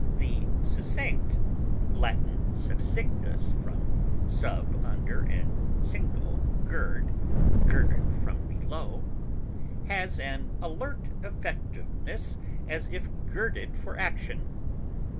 The succinct (L. succinctus, from _sub _, under, and cingo, gird; girded from below) has an alert effectiveness as if girded for action.